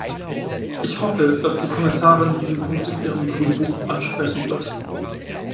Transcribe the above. Ich hoffe, dass die Kommissarin diesen Punkt in ihrem Grünbuch ansprechen wird.